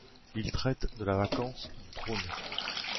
Il traite de la vacance du trône.